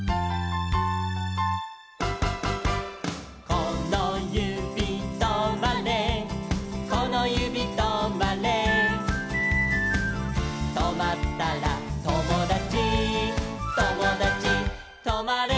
「このゆびとまれこのゆびとまれ」「とまったらともだちともだちとまれ」